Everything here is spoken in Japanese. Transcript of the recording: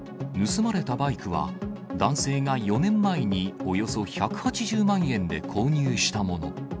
盗まれたバイクは、男性が４年前に、およそ１８０万円で購入したもの。